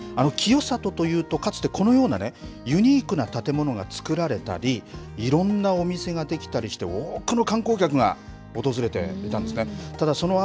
清里というとこのようなユニークな建物が造られたりいろんなお店ができたりして多くの観光客が訪れていたんですね。